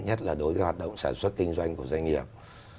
nhất là đối với hoạt động sản xuất kinh doanh của doanh nghiệp